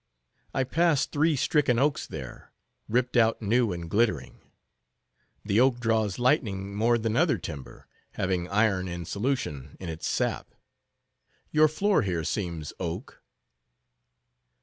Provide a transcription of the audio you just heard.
I passed three stricken oaks there, ripped out new and glittering. The oak draws lightning more than other timber, having iron in solution in its sap. Your floor here seems oak.